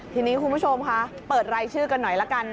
ทีนี้คุณผู้ชมคะเปิดรายชื่อกันหน่อยละกัน